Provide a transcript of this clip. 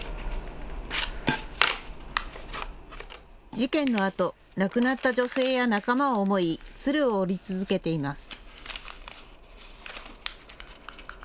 事件のあと、亡くなった女性や仲間を思い鶴を折り続けています。